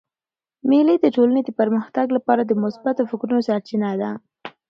مېلې د ټولني د پرمختګ له پاره د مثبتو فکرو سرچینه ده.